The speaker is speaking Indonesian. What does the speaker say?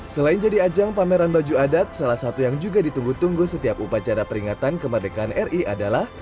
selain jadi ajang pameran baju adat salah satu yang juga ditunggu tunggu setiap upacara peringatan kemerdekaan ri adalah